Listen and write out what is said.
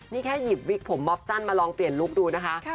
นี่แค่หยิบวิกผมมอบสั้นมาลองเปลี่ยนลุคดูนะคะ